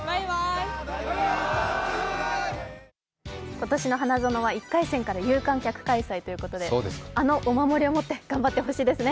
今年の花園は１回戦から有観客開催ということで、あのお守りを持って頑張ってほしいですね。